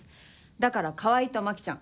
だから川合と牧ちゃん